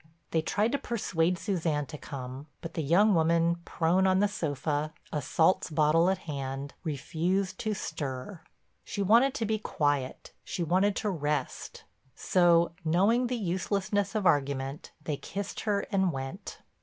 They tried to persuade Suzanne to come, but the young woman, prone on the sofa, a salts bottle at hand, refused to stir. She wanted to be quiet; she wanted to rest. So, knowing the uselessness of argument, they kissed her and went.